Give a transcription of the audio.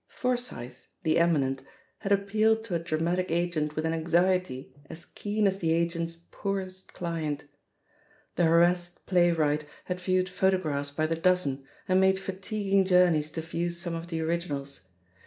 Forsyth, the eminent, had appealed to a dramatic agent with an anxiety as keen as the agent's poorest client. The harassed play wright had viewed photographs by the dozen, and made fatiguing journeys to view some of the originals.